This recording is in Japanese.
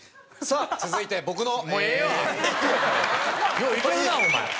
よういけるなお前。